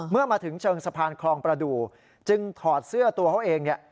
เมื่อมาถึงเชิงสะพานคลองประดูกจึงถอดเสื้อตัวเขาเองเนี่ย